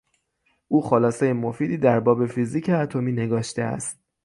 او خلاصهی مفیدی در باب فیزیک اتمی نگاشته است.